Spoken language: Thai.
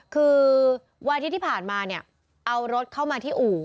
คือวันอาทิตย์ที่ผ่านมาเนี่ยเอารถเข้ามาที่อู่